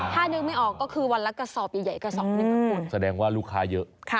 ถ้านึกไม่ออกก็คือวันละกระสอบใหญ่ใหญ่กระสอบนึงแสดงว่าลูกค้าเยอะค่ะ